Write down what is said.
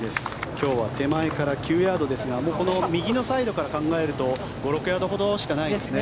今日は手前から９ヤードですが右サイドから考えると５６ヤードほどしかないですね。